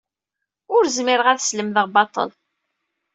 Ur zmireɣ ad slemdeɣ baṭel.